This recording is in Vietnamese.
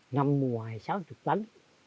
năm ngoài sáu mươi tấn